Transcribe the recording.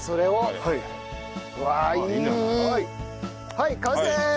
はい完成！